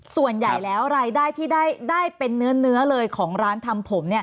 ส่วนใหญ่แล้วรายได้ที่ได้เป็นเนื้อเลยของร้านทำผมเนี่ย